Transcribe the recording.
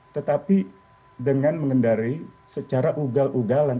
tetapi dengan mengendarai secara ugal ugalan